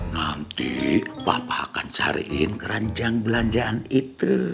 nanti bapak akan cariin keranjang belanjaan itu